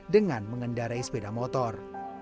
dengan mengendarai sepeda motor